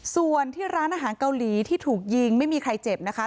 ส่วนที่ร้านอาหารเกาหลีที่ถูกยิงไม่มีใครเจ็บนะคะ